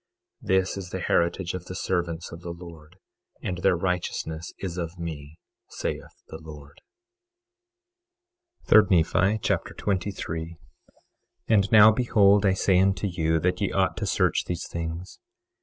This is the heritage of the servants of the Lord, and their righteousness is of me, saith the Lord. 3 Nephi Chapter 23 23:1 And now, behold, I say unto you, that ye ought to search these things.